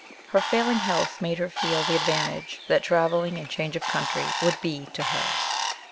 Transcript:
Her failing health made her feel the advantage that travelling and change of country would be to her.